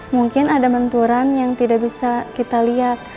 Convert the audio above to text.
mungkin ada benturan yang tidak bisa kita lihat